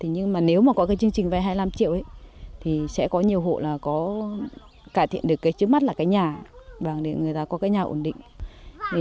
nhưng nếu có chương trình vay hai mươi năm triệu thì sẽ có nhiều hộ có cải thiện trước mắt là nhà để người ta có nhà ổn định